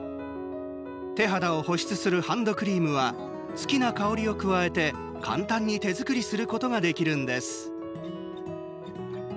手肌を保湿するハンドクリームは好きな香りを加えて簡単に手作りすることができるんです。